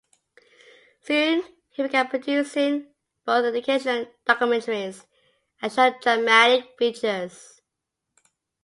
Soon, he began producing both educational documentaries, and short dramatic features.